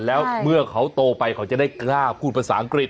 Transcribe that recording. แล้วเมื่อเขาโตไปเขาจะได้กล้าพูดภาษาอังกฤษ